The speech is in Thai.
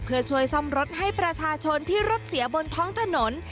เพื่อช่วยซ่อมรถให้ประชาชนที่รถเสียบนท้องถนน